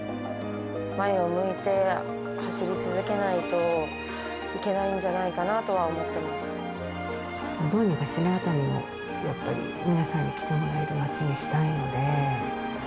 前を向いて走り続けないといけないんじゃないかなとは思ってどうにかしてね、熱海もやっぱり皆さんに来てもらえる街にしたいので。